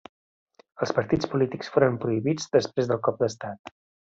Els partits polítics foren prohibits després del cop d'estat.